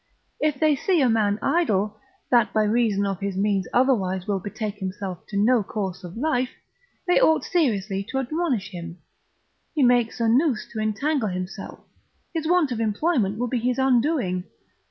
If they see a man idle, that by reason of his means otherwise will betake himself to no course of life, they ought seriously to admonish him, he makes a noose to entangle himself, his want of employment will be his undoing.